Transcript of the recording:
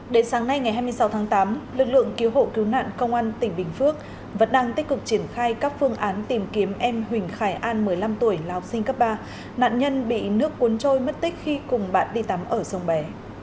đến sáng nay ngày hai mươi sáu tháng tám lực lượng cứu hộ cứu nạn công an tỉnh bình phước vẫn đang tích cực triển khai các phương án tìm kiếm em huỳnh khải an một mươi năm tuổi là học sinh cấp ba nạn nhân bị nước cuốn trôi mất tích khi cùng bạn đi tắm ở sông bé